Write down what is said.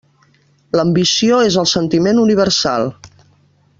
L'ambició és el sentiment universal.